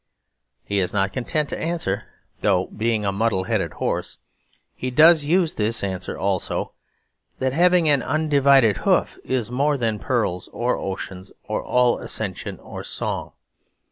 He is not content to answer (though, being a muddle headed horse, he does use this answer also) that having an undivided hoof is more than pearls or oceans or all ascension or song.